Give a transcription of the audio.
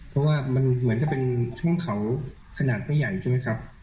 เพราะว่ามันเหมือนจะเป็นช่วงเขาขนาดไม่ใหญ่ใช่ไหมครับ